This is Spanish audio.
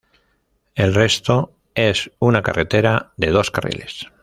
El resto es una carretera de dos carriles.